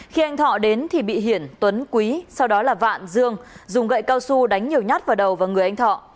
khi anh thọ đến thì bị hiển tuấn quý sau đó là vạn dương dùng gậy cao su đánh nhiều nhát vào đầu và người anh thọ